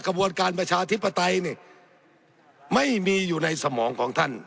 กระบวนการประชาธิปไตยเนี่ยไม่มีอยู่ในสมองของท่าน